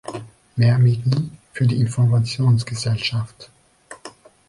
Mehr Mittel für die Informationsgesellschaft.